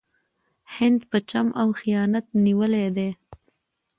هند په چم او خیانت نیولی دی.